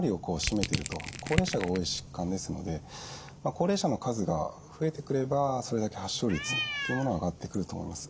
高齢者が多い疾患ですので高齢者の数が増えてくればそれだけ発症率っていうものは上がってくると思います。